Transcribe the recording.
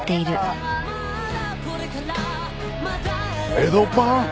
「エドパン」！